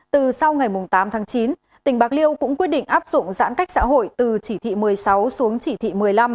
từ sau ngày tám tháng chín tỉnh bạc liêu cũng quyết định áp dụng giãn cách xã hội từ chỉ thị một mươi sáu xuống chỉ thị một mươi năm